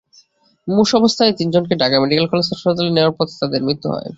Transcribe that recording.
মুমূর্ষু অবস্থায় তিনজনকে Dhaka medical college হাসপাতালে নেওয়ার পথে তাঁদের মৃত্যু হয়।